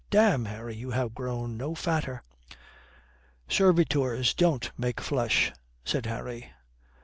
Damme, Harry, you are grown no fatter." "Servitors don't make flesh," said Harry.